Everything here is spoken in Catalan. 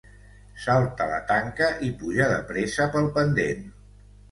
Salta la tanca i puja de pressa pel pendent.